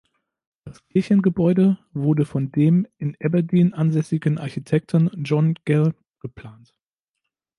Das Kirchengebäude wurde von dem in Aberdeen ansässigen Architekten "John Gall" geplant.